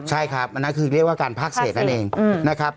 ใช่ครับอันนั้นคือเรียกว่าการพักเศษนั่นเองนะครับ